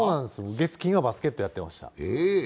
月・金はバスケットをやっていました。